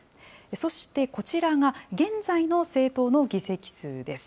そしてこちらが、現在の政党の議席数です。